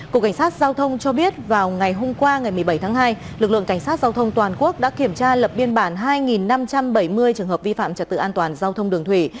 cục cảnh sát giao thông cho biết vào ngày hôm qua ngày một mươi bảy tháng hai lực lượng cảnh sát giao thông toàn quốc đã kiểm tra lập biên bản hai năm trăm bảy mươi trường hợp vi phạm trật tự an toàn giao thông đường thủy